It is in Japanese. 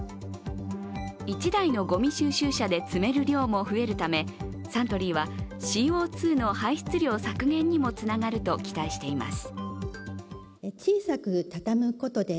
１台のごみ収集車で積める量も増えるため、サントリーはＣＯ２の排出量削減にもつながると期待しています。